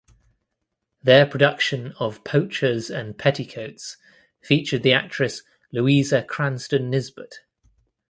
Their production of "Poachers and Petticoats" featured the actress Louisa Cranstoun Nisbett.